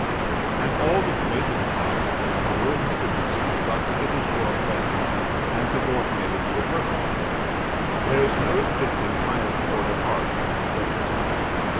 And all the greatest art which the world has produced is thus fitted for a place, and subordinated to a purpose. There is no existing highest order art but is decorative.